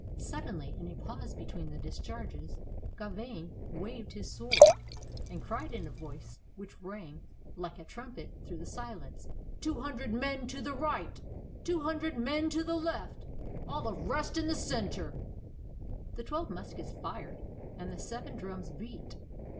Suddenly, in a pause between the discharges, Gauvain waved his sword, and cried in a voice which rang like a 324 IN THE REVOLT OF THE VENDEE trumpet through the silence: ''Two hundred men to the right; two hundred men to the left; all the rest in the center!" The twelve muskets fired, and the seven drums beat.